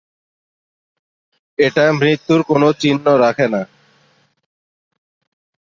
এটা মৃত্যুর কোন চিহ্ন রাখে না।